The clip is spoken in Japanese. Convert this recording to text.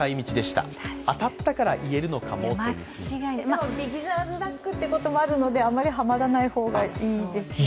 でも、ビギナーズラックということもあるのであまりハマらない方がいいですよね。